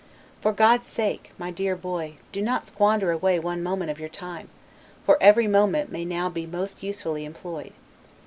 For God's sake, my dear boy, do not squander away one moment of your time, for every moment may be now most usefully employed.